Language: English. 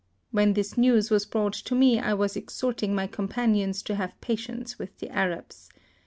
When this news was brought to me I was exhorting my companions to have patience with the Arabs.